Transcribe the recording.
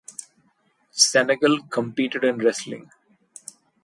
Senegal competed in wrestling.